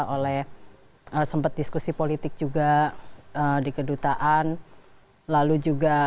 oleh sempat diskusi politik juga di kedutaan lalu juga